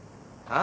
あ！